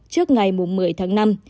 trước ngày một mươi tháng năm